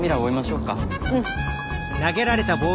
うん。